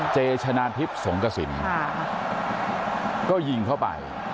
เจชนะทิพย์สงกระสินก็ยิงเข้าไป